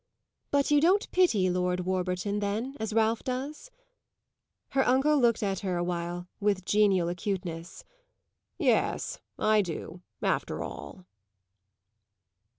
But you don't pity Lord Warburton then as Ralph does?" Her uncle looked at her a while with genial acuteness. "Yes, I do, after all!"